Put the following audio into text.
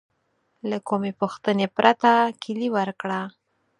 له کومې پوښتنې پرته کیلي ورکړه.